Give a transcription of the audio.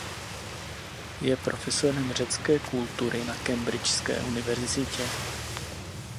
Je profesorem řecké kultury na Cambridgeské univerzitě.